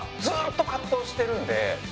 ずっと葛藤してるんで。